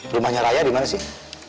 rumahnya raya dimana sih